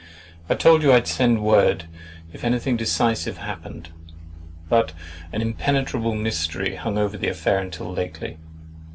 I told you I would send you word, if anything decisive happened; but an impenetrable mystery hung over the affair till lately.